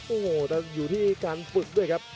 โอ้โหแต่อยู่ที่การฝึกด้วยครับ